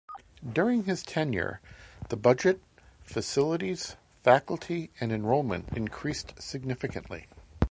During his tenure, the budget, facilities, faculty, and enrollment increased significantly.